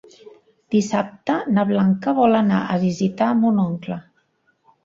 Dissabte na Blanca vol anar a visitar mon oncle.